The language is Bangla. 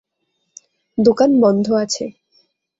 দোকান বন্ধ আছে।